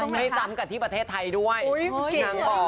ไม่ซ้ำกันที่ประเทศไทยด้วย